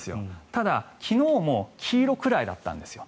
ただ、昨日も黄色くらいなんですよ。